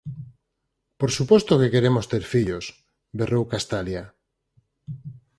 “Por suposto que quereremos ter fillos!” berrou Castalia.